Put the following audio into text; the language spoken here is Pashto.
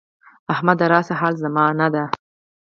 احمد راشه حال زمانه ده.